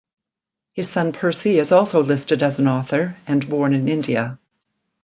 His son Percy is also listed as an author and born in India.